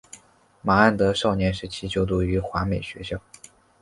麻安德少年时期就读于华美学校。